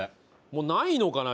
もうないのかな？